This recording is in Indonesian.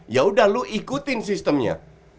yaudah lu ikutin sistemnya